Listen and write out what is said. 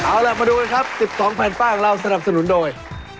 เอาล่ะมาดูกันครับ๑๒แผ่นป้ายของเราสนับสนุนโดย